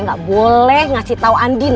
gak boleh ngasih tau andin